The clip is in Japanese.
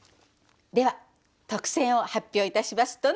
では特選を発表いたします。